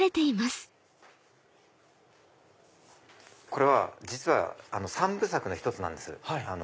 これは実は３部作の１つなんです。